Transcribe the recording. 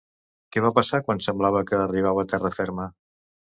Què va passar quan semblava que arribava a terra ferma?